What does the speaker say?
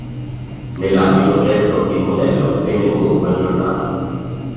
Nell'anno in oggetto, il modello venne comunque aggiornato.